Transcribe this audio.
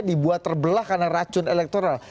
dibuat terbelah karena racun elektoral